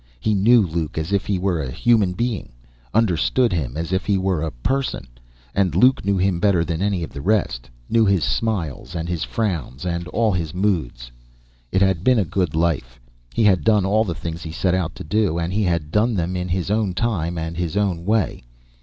He knew Luke as if he were a human being; understood him as if he were a person. And Luke knew Him better than any of the rest; knew His smiles and His frowns, all His moods. It had been a good life. He had done all the things He set out to do, and He had done them in His own time and His own way.